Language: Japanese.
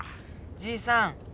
じいさん。